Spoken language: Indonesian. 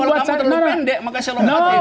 karena kepala kamu terlalu ganda